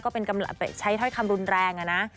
ก็ใช้ให้คำรุนแรงนะ